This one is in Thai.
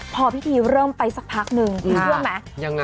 พอพิธีเริ่มไปสักพักนึงเชื่อไหม